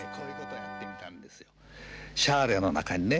シャーレの中にね